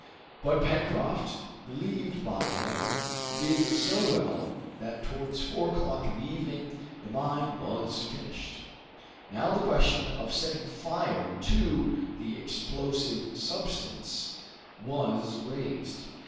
But Pencroft, relieved by Neb, did so well, that towards four o'clock in the evening, the mine was finished. Now the question of setting fire to the explosive substance was raised.